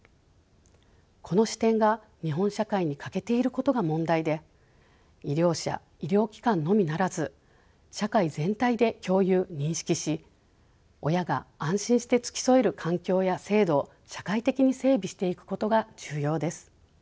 この視点が日本社会に欠けていることが問題で医療者医療機関のみならず社会全体で共有認識し親が安心して付き添える環境や制度を社会的に整備していくことが重要です。